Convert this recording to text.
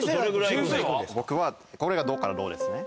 僕はこれがドからドですね。